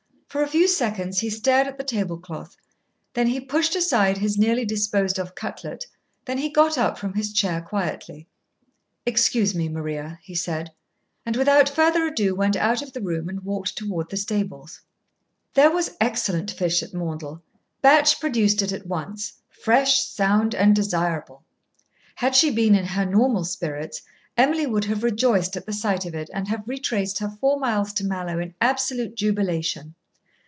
For a few seconds he stared at the table cloth, then he pushed aside his nearly disposed of cutlet, then he got up from his chair quietly. "Excuse me, Maria," he said, and without further ado went out of the room, and walked toward the stables. There was excellent fish at Maundell; Batch produced it at once, fresh, sound, and desirable. Had she been in her normal spirits, Emily would have rejoiced at the sight of it, and have retraced her four miles to Mallowe in absolute jubilation.